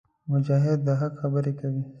مجاهد د حق خبرې کوي.